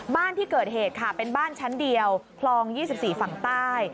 บ้านที่เกิดเหตุค่ะเป็นบ้านชั้นเดียวคลอง๒๔ฝั่งใต้